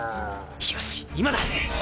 よし今だ！